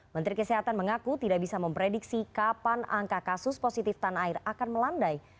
menteri kesehatan mengaku tidak bisa memprediksi kapan angka kasus positif tanah air akan melandai